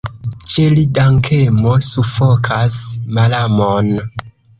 Ĉe li dankemo sufokas malamon.